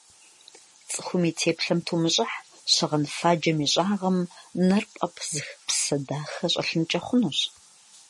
Цӏыхум и теплъэм тумыщӏыхь: щыгъын фаджэм и щӏагъым нэр пӏэпызых псэ дахэ щӏэлъынкӏэ хъунущ.